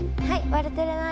はい。